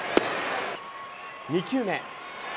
２球目。